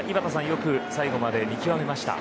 よく最後まで見極めました。